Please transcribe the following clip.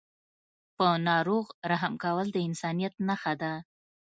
په ناروغ رحم کول د انسانیت نښه ده.